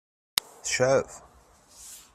Tecɛef?